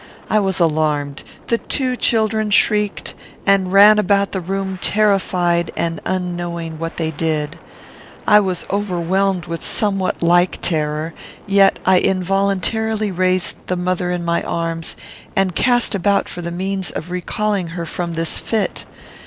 I was alarmed. The two children shrieked, and ran about the room terrified and unknowing what they did. I was overwhelmed with somewhat like terror, yet I involuntarily raised the mother in my arms, and cast about for the means of recalling her from this fit.